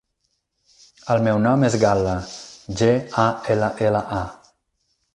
El meu nom és Gal·la: ge, a, ela, ela, a.